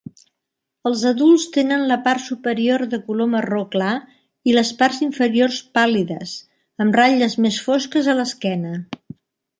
Els adults tenen la part superior de color marró clar i les parts inferiors pàl·lides, amb ratlles més fosques a l'esquena.